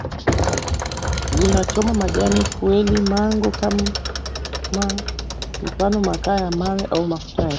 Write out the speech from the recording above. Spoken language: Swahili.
zinachoma majani fueli mango km makaa ya mawe au mafuta ya taa